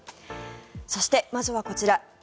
そして、まずはこちら。